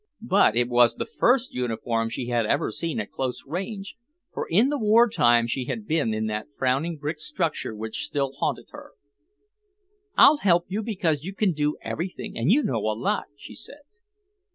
But it was the first uniform she had ever seen at close range, for in the wartime she had been in that frowning brick structure which still haunted her. "I'll help you because you can do everything and you know a lot," she said.